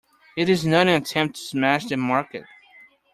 It is not an attempt to smash the market.